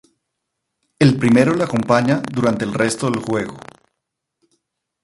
El primero le acompaña durante el resto del juego.